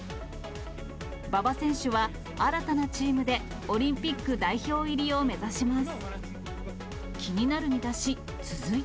馬場選手は、新たなチームでオリンピック代表入りを目指します。